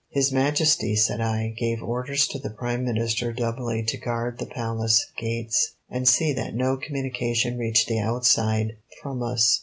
"His Majesty," said I, "gave orders to the Prime Minister doubly to guard the Palace gates, and see that no communication reached the outside from us.